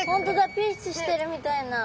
ピースしてるみたいな。